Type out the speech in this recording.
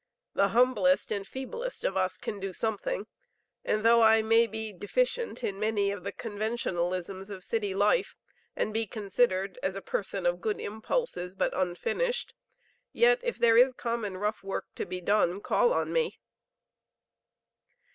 The humblest and feeblest of us can do something; and though I may be deficient in many of the conventionalisms of city life, and be considered as a person of good impulses, but unfinished, yet if there is common rough work to be done, call on me."